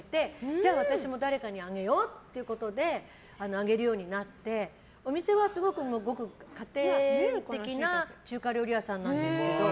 じゃあ私も誰かにあげようっていうことであげるようになってお店は、家庭的な中華料理屋さんなんですけど。